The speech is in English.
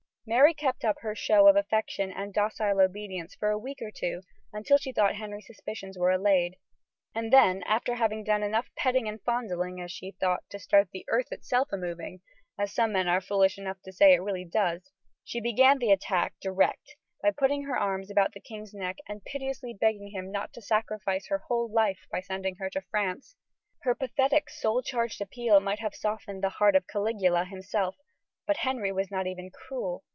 Mary kept up her show of affection and docile obedience for a week or two until she thought Henry's suspicions were allayed; and then, after having done enough petting and fondling, as she thought, to start the earth itself a moving as some men are foolish enough to say it really does she began the attack direct by putting her arms about the king's neck, and piteously begging him not to sacrifice her whole life by sending her to France. Her pathetic, soul charged appeal might have softened the heart of Caligula himself; but Henry was not even cruel.